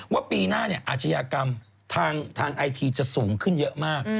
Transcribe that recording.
ว่าปีหน้าอาชญากรรมทางไอทีจะสูงขึ้นเยอะมาก